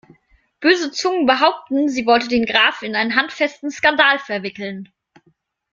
Böse Zungen behaupten, sie wollte den Graf in einen handfesten Skandal verwickeln.